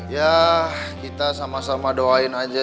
ya kita sama sama doain aja